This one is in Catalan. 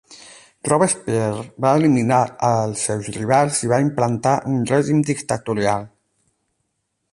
Robespierre va eliminar als seus rivals i va implantar un règim dictatorial.